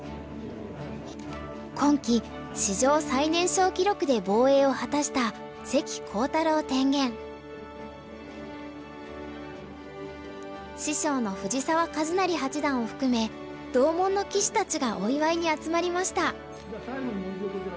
今期史上最年少記録で防衛を果たした師匠の藤澤一就八段を含め同門の棋士たちがお祝いに集まりました。